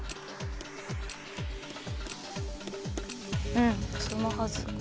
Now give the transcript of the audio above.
うんそのはず。